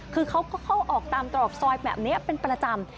คือเขาก็เข้าออกตามตรอกซอยแบบนี้เป็นประจำ